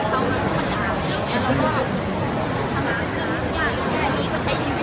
ช่องความหล่อของพี่ต้องการอันนี้นะครับ